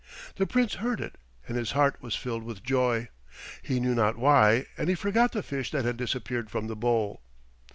The Prince heard it, and his heart was filled with joy, he knew not why, and he forgot the fish that had disappeared from the bowl.